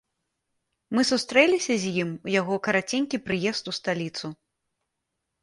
Мы сустрэліся з ім у яго караценькі прыезд у сталіцу.